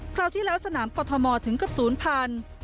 คราวที่แล้วสนามกรทมถึงกับศูนย์พันธุ์